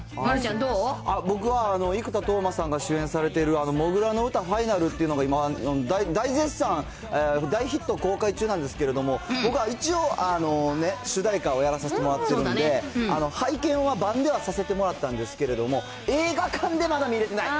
僕は生田斗真さんが主演されている、土竜の唄ＦＩＮＡＬというのが、今、大絶賛、大ヒット公開中なんですけれども、僕は一応、主題歌をやらさせてもらってるんで、拝見はばんではさせてもらったんですけれども、映画館ではまだ見れてない。